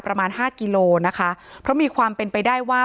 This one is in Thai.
ประมาณห้ากิโลนะคะเพราะมีความเป็นไปได้ว่า